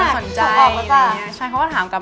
เบี้ยวอ่ะช่องออกแล้วก่อน